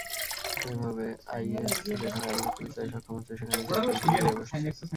এভাবে আইএস যেখানে আধিপত্য বিস্তারে সক্ষম হচ্ছে, সেখানেই শক্ত খুঁটি গেড়ে বসছে।